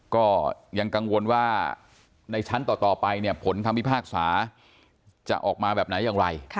ก็ยังกังวลว่าในชั้นต่อไปเนี่ยผลคำพิพากษาจะออกมาแบบไหนอย่างไร